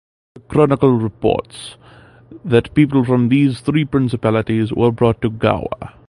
The chronicle reports that people from these three principalities were brought to Gowa.